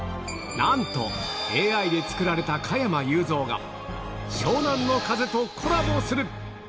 なんと、ＡＩで作られた加山雄三が、湘南乃風とコラボする。